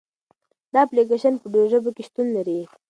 دا اپلیکیشن په ډېرو ژبو کې شتون لري.